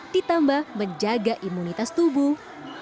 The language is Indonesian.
ditambah menjaga imunitas tubuh